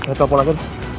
saya telpon aja